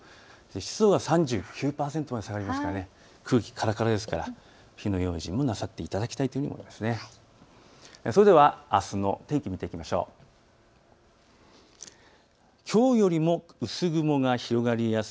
湿度が３９％まで下がりますから空気からからですから火の用心もなさっていただきたいというふうに思います。